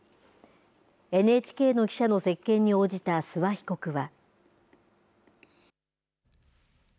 ＮＨＫの記者の接見に応じた諏訪被告は。